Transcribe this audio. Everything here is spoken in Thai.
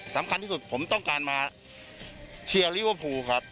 สำคัญที่สุดผมต้องการมาเชียร์ลิเวอร์พูลครับ